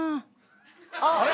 ・あれ？